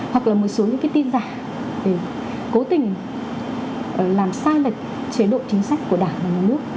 hoặc là một số những cái tin giả để cố tình làm sai lệch chế độ chính sách của đảng và nhà nước